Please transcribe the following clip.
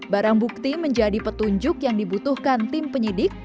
barang bukti menjadi petunjuk yang dibutuhkan tim penyidik